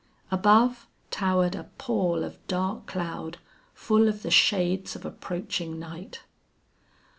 Above towered a pall of dark cloud, full of the shades of approaching night.